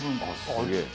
すげえ。